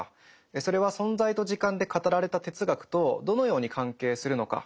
それは「存在と時間」で語られた哲学とどのように関係するのか。